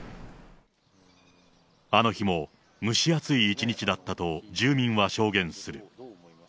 あの日も蒸し暑い一日だったと住民は証言する。